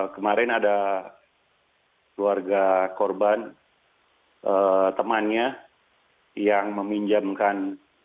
kemarin ada keluarga korban temannya yang meminjamkan